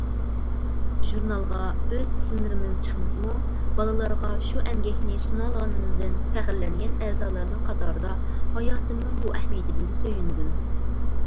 ژۇرنالغا ئۆز ئىسىملىرىمىز چىقمىسىمۇ، بالىلارغا شۇ ئەمگەكنى سۇنالىغىنىمىزدىن پەخىرلەنگەن ئەزالارنىڭ قاتارىدا ھاياتىمنىڭ بۇ ئەھمىيىتىدىن سۆيۈندۈم.